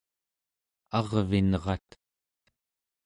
arvinrat